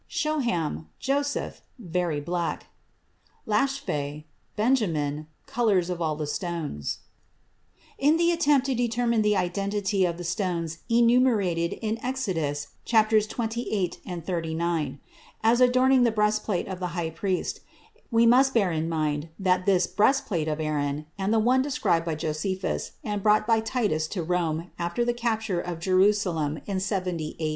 Shoham Joseph Very black Yashpheh Benjamin Colors of all the stones In the attempt to determine the identity of the stones enumerated in Exodus xxviii and xxxix, as adorning the breastplate of the high priest, we must bear in mind that this "breastplate of Aaron" and the one described by Josephus, and brought by Titus to Rome after the capture of Jerusalem in 70 A.